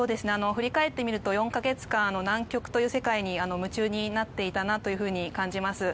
振り返ってみると、４か月間南極という世界に夢中になっていたなというふうに感じます。